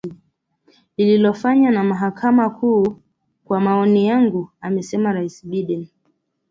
lililofanya na Mahakama Kuu kwa maoni yangu amesema rais Biden